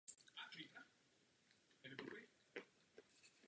Pokud ano, je třeba tyto léky podávat v různých dávkách?